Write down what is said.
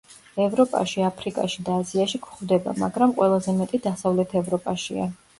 ევროპაში, აფრიკაში და აზიაში გვხვდება, მაგრამ ყველაზე მეტი დასავლეთ ევროპაშია.